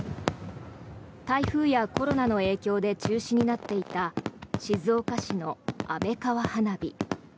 台風やコロナの影響で中止になっていた静岡市の安倍川花火。